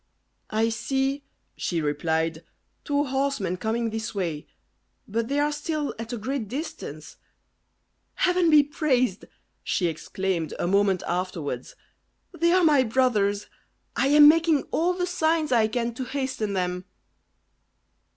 "I see," she replied, "two horsemen coming this way; but they are still at a great distance." "Heaven be praised!" she exclaimed, a moment afterwards. "They are my brothers! I am making all the signs I can to hasten them."